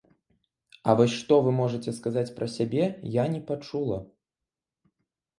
А вось што вы можаце сказаць пра сябе, я не пачула.